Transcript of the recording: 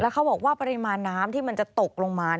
เขาบอกว่าปริมาณน้ำที่มันจะตกลงมา